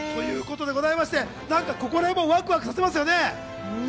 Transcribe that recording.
ここらへんもワクワクさせますよね。